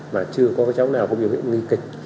mà chưa có cháu nào có biểu hiện nghi kịch